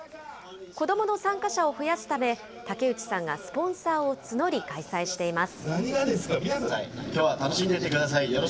子どもの参加者を増やすため、竹内さんがスポンサーを募り、開催しています。